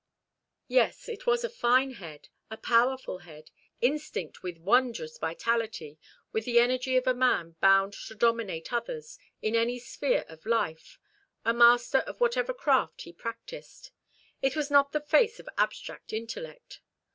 Yes, it was a fine head, a powerful head, instinct with wondrous vitality, with the energy of a man bound to dominate others, in any sphere of life; a master of whatever craft he practised. It was not the face of abstract intellect.